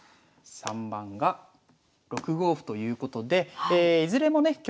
３番が６五歩ということでいずれもね